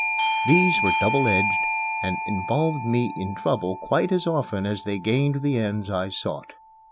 These were double edged, and involved me in trouble quite as often as they gained the ends I sought.